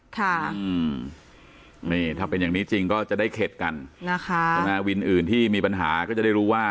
ถ้าเป็นอย่างนี้จริงก็จะได้เข็ดกันสำหรับวินอื่นที่มีปัญหาก็จะได้รู้ว่า